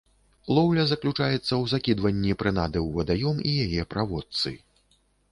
Лоўля заключаецца ў закідванні прынады ў вадаём і яе праводцы.